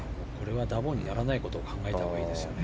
ダボにならないことを考えたほうがいいですね。